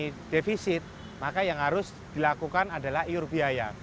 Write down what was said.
kebocoran atau disalahgunakan maka yang harus dilakukan adalah iur biaya